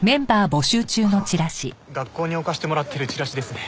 ああ学校に置かせてもらってるチラシですね。